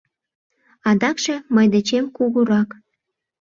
Адакше мый дечем кугурак.